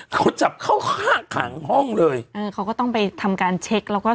เขาจับเข้าข้างขังห้องเลยเออเขาก็ต้องไปทำการเช็คแล้วก็